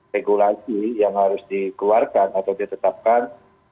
regulasi yang harus dikeluarkan atau ditetapkan